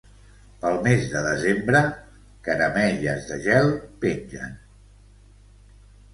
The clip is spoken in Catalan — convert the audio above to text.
Pel mes de desembre, caramelles de gel pengen.